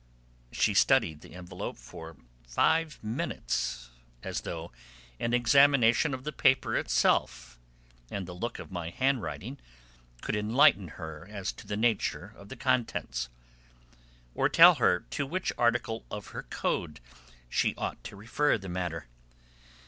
She studied the envelope for five minutes as though an examination of the paper itself and the look of my handwriting could enlighten her as to the nature of the contents, or tell her to which article of her code she ought to refer the matter.